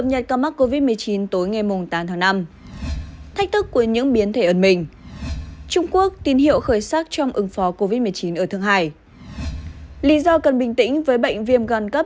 hãy đăng ký kênh để ủng hộ kênh của chúng mình nhé